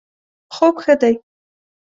خوب ښه دی